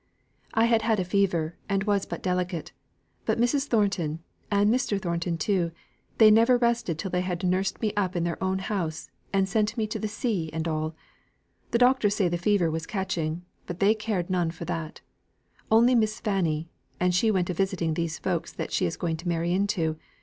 "I had had the fever, and was but delicate; and Mrs. Thornton and Mr. Thornton too, they never rested till they had nursed me up in their own house, and sent me to the sea and all. The doctor said the fever was catching, but they cared none for that only Miss Fanny, and she went a visiting these folk that she is going to marry into.